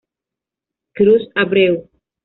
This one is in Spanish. Cruz Abreu